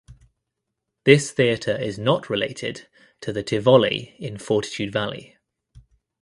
This theatre is not related to The Tivoli in Fortitude Valley.